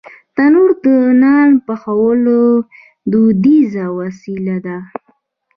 تنور د نان پخولو دودیزه وسیله ده